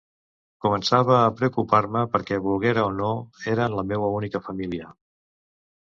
Començava a preocupar-me perquè, volguera o no, eren la meua única família.